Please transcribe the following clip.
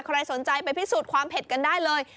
ใครสนใจไปพิสูจน์ความเผ็ดกันได้เลย